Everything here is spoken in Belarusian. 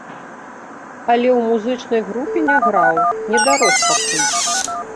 Але ў музычнай групе не граў, не дарос пакуль.